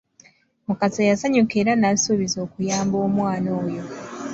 Mukasa yasanyuka era n'asuubiza okuyamba omwana oyo.